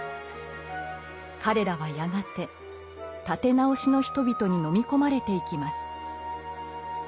彼らはやがて「立て直し」の人々に飲み込まれていきます。